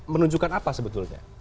menunjukkan apa sebetulnya